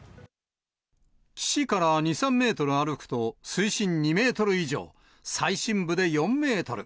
岸から２、３メートル歩くと、水深２メートル以上、最深部で４メートル。